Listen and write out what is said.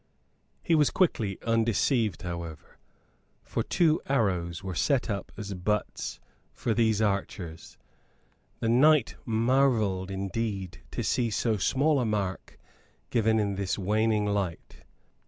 He was quickly undeceived, however, for two arrows were set up as butts for these archers. The knight marvelled indeed to see so small a mark given in this waning light.